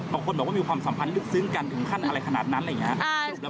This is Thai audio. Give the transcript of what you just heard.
บางคนบอกว่ามีความสัมพันธ์ลึกซึ้งกันถึงขั้นอะไรขนาดนั้นอะไรอย่างนี้ครับ